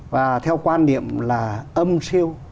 và theo quan niệm là âm siêu